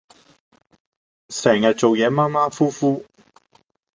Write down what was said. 成日做野馬馬虎虎